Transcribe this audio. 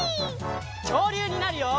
きょうりゅうになるよ！